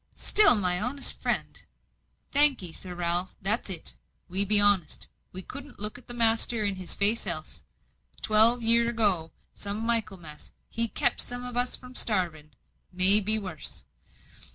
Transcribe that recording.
"Still, my honest friend " "Thank 'ee, Sir Ralph, that's it: we be honest; we couldn't look the master in the face else. Twelve year ago, come Michaelmas, he kept some on us from starving may be worse.